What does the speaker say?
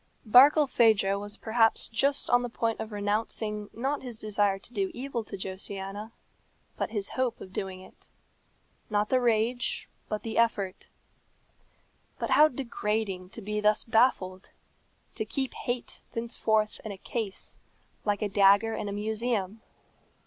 Barkilphedro was perhaps just on the point of renouncing not his desire to do evil to Josiana, but his hope of doing it; not the rage, but the effort. But how degrading to be thus baffled! To keep hate thenceforth in a case, like a dagger in a museum!